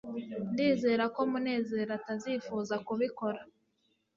ndizera ko munezero atazifuza kubikora